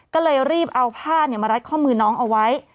ก็เลยรีบเอาผ้ามารัดข้อมือน้องเอาไว้